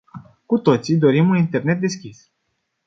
Cu toții dorim un internet deschis.